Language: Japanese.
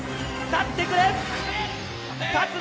立ってくれ！